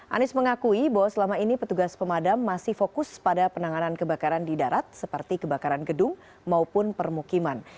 anies mengakui bahwa selama ini petugas pemadam masih fokus pada penanganan kebakaran di darat seperti kebakaran gedung maupun permukiman